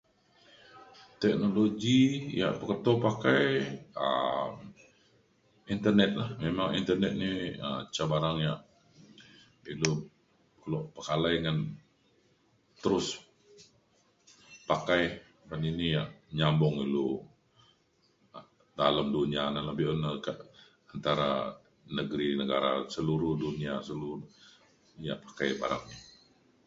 teknologi ya' peketo pakai um internet la memang internet ni um ca barang ya' ilu kelok pekalai ngan terus pakai ban ini ya' nyambung ilu dalem dunia la be'un le ka' antara negeri negara seluruh dunia seluruh dia ya' pakai barang ini.